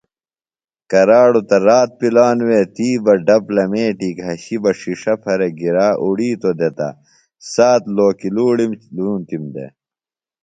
کراڑوۡ تہ رات پِلانوۡ وے تی بہ ڈپ لمیٹی گھشیۡ بہ ݜݜہ پھرےۡ گِرا اُڑیتوۡ دےۡ تہ سات لوکِلوڑِم لُونتِم دےۡ